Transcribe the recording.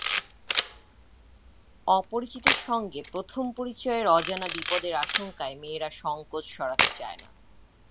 অপরিচিতের সঙ্গে প্রথম পরিচয়ের অজানা বিপদের আশঙ্কায় মেয়েরা সংকোচ সরাতে চায় না।